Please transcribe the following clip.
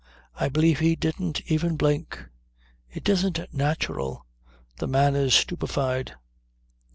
I believe he didn't even blink. It isn't natural. The man is stupefied."